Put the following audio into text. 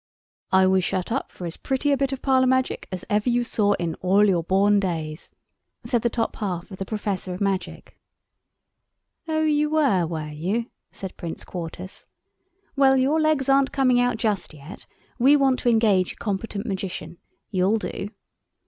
"I was shut up for as pretty a bit of parlour magic as ever you saw in all your born days," said the top half of the Professor of Magic. "Oh, you were, were you?" said Prince Quartus; "well, your legs aren't coming out just yet. We want to engage a competent magician. You'll do."